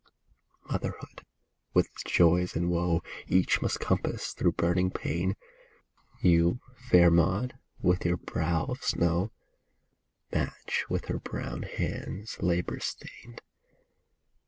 Motherhood with its joy and woe Each must compass through burning pain, — You, fair Maud, with your brow of snow, Madge with her brown hands labor stained.